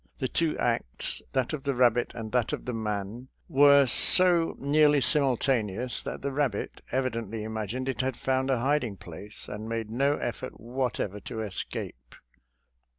The two acts — that of the rabbit and that of the man — were so nearly simultaneous that the rabbit evidently imagined it had found a hiding place, and made no effort whatever to escape.